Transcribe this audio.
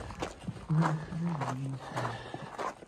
দেহ নষ্ট হইলেও ইনি নষ্ট হন না।